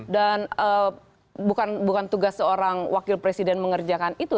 dan bukan tugas seorang wakil presiden mengerjakan itu